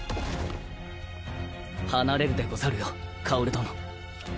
離れるでござるよ薫殿。